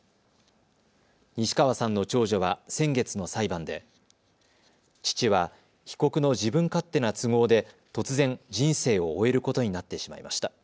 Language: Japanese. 西川さんの長女は先月の裁判で父は被告の自分勝手な都合で突然、人生を終えることになってしまいました。